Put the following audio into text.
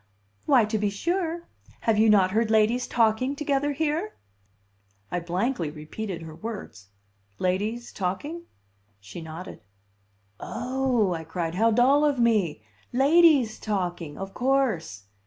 "Why, to be sure! Have you not heard ladies talking together here?" I blankly repealed her words. "Ladies talking?" She nodded. "Oh!" I cried. "How dull of me! Ladies talking! Of course!"